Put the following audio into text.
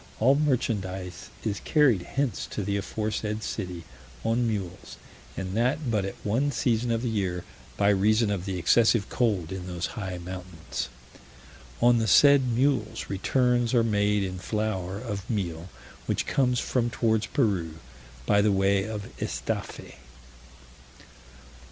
All merchandise is carried hence to the aforesaid city on mules, and that but at one season of the year, by reason of the excessive cold in those high mountains. On the said mules returns are made in flour of meal, which comes from towards Peru, by the way of Estaffe.